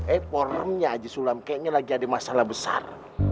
eh poramnya aja sulam kayaknya lagi ada masalah besar